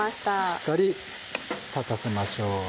しっかり立たせましょう。